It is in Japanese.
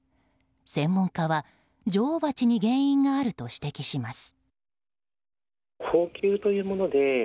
専門家は女王バチに原因があると指摘します。